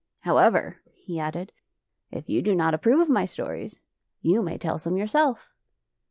" However," he added, " if you do not approve of my stories, you may tell some yourself."